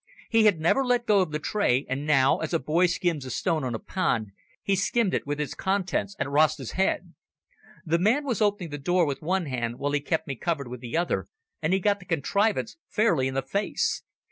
He had never let go of the tray, and now, as a boy skims a stone on a pond, he skimmed it with its contents at Rasta's head. The man was opening the door with one hand while he kept me covered with the other, and he got the contrivance fairly in the face.